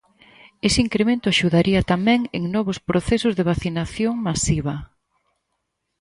Ese incremento axudaría tamén en novos procesos de vacinación masiva.